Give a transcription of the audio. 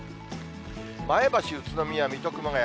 前橋、宇都宮、水戸、熊谷。